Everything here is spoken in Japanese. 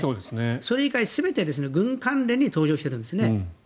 それ以外、全て軍関連に登場しているんですね。